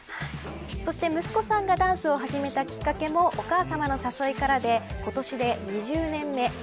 そして息子さんがダンスを始めたきっかけもお母さんのお誘いからで今年で２０年目。